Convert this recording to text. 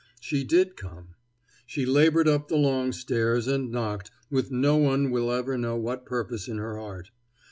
She did come. She labored up the long stairs, and knocked, with no one will ever know what purpose in her heart.